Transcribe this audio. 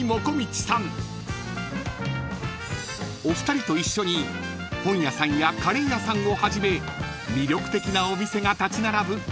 ［お二人と一緒に本屋さんやカレー屋さんをはじめ魅力的なお店が立ち並ぶ